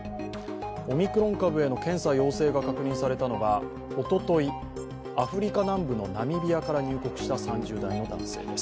オミクロン株への検査陽性が確認されたのがおととい、アフリカ南部ナミビアから入国した３０代の男性です。